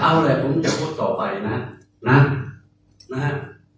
เอาเลยผมจะพูดต่อไปนะครับ